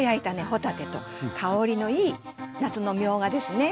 帆立てと香りのいい夏のみょうがですね